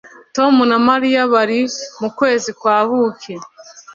Tom na Mariya bari mukwezi kwa buki